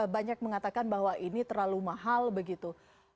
banyak mengatakan bahwa ini terlalu mahal begitu